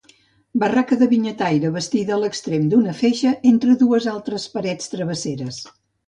Barraca de vinyataire bastida a l'extrem d'una feixa, entre dues altes parets travesseres.